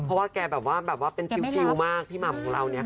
เพราะว่าแกแบบว่าแบบว่าเป็นชิลมากพี่หม่ำของเราเนี่ยค่ะ